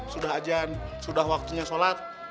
sudah ajan sudah waktunya sholat